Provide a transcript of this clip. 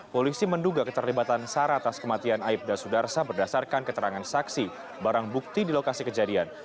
polisi menduga keterlibatan sarah atas kematian aibda sudarsa berdasarkan keterangan saksi barang bukti di lokasi kejadian